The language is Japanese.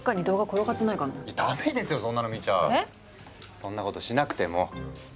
そんなことしなくてもほら。